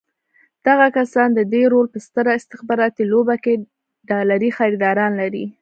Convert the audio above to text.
دغه کسان د دې رول په ستره استخباراتي لوبه کې ډالري خریداران لري.